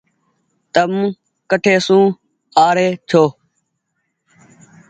تم ڪٺي سون آ ري ڇو۔